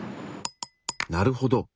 なるほど。